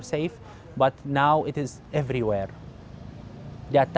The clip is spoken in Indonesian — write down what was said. tetapi sekarang perang tersebut berada di mana mana